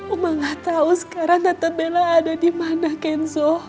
oma gak tau sekarang tante bella ada dimana kenzo